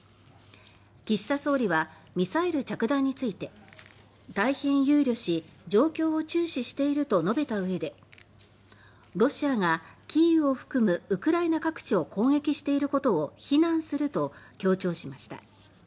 岸田総理はミサイル着弾について「大変憂慮し状況を注視している」と述べたうえで「ロシアがキーウを含むウクライナ各地を攻撃していることを非難する」と強調しました。